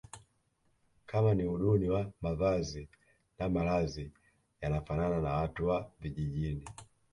Kama ni uduni wa mavazi na malazi yanafanana na watu wa vijijini